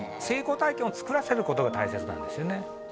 成功体験を作らせることが大切なんですよね